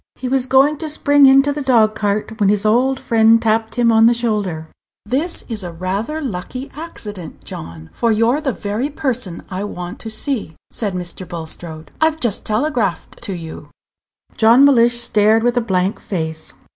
He was going to spring into the dog cart when his old friend tapped him on the shoulder. "This is rather a lucky accident, John, for you're the very person I want to see," said Mr. Bulstrode. "I've just telegraphed to you." John Mellish stared with a blank face.